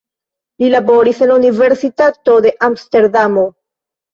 Li laboris en la universitato de Amsterdamo.